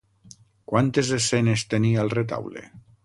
Quantes escenes tenia el retaule?